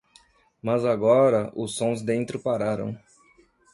Mas agora os sons dentro pararam.